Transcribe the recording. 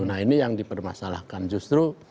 nah ini yang dipermasalahkan justru